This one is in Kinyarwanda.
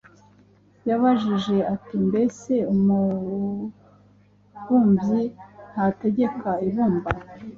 Yarabajije ati: “Mbese umubumbyi ntategeka ibumba,